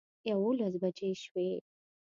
یوولس بجې شوې.